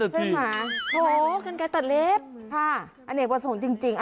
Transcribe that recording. เส้นหางั้นไงตัดเล็กฮะอันนี้ประสงค์จริง